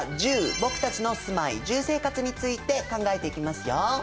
僕たちの住まい住生活について考えていきますよ。